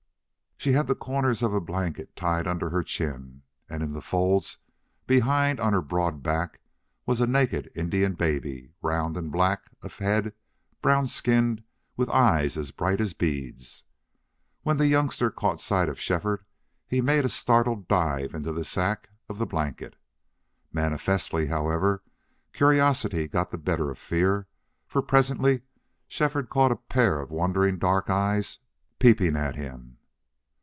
She had the corners of a blanket tied under her chin, and in the folds behind on her broad back was a naked Indian baby, round and black of head, brown skinned, with eyes as bright as beads. When the youngster caught sight of Shefford he made a startled dive into the sack of the blanket. Manifestly, however, curiosity got the better of fear, for presently Shefford caught a pair of wondering dark eyes peeping at him.